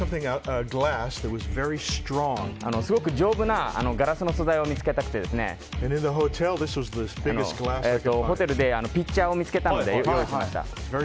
すごく丈夫なガラスの素材を見つけたくてホテルでピッチャーを見つけたので用意しました。